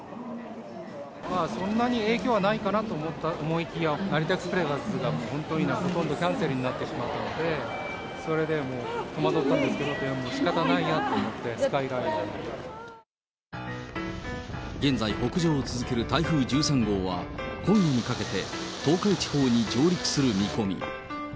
そんなに影響はないかなと思いきや、成田エクスプレスがほとんどキャンセルになってしまったので、それでもう、戸惑ったんですけど、しかたないなって言って、現在、北上を続ける台風１３号は、今夜にかけて、東海地方に上陸する見込み。